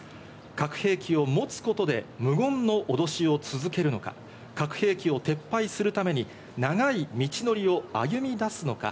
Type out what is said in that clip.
核兵器を持つことで、無言の脅しを続ける核兵器を撤廃するために長い道のりを歩み出すのか。